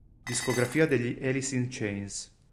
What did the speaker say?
Discografia degli Alice in Chains